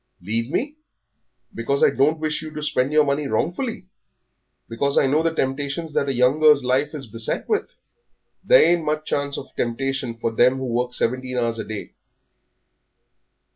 "Leave me, because I don't wish you to spend your money wrongfully, because I know the temptations that a young girl's life is beset with?" "There ain't much chance of temptation for them who work seventeen hours a day."